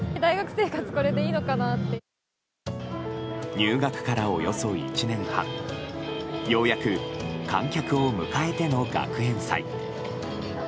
入学から、およそ１年半ようやく観客を迎えての学園祭。